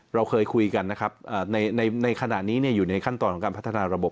เราเคยคุยกันนะครับในขณะนี้อยู่ในขั้นตอนของการพัฒนาระบบ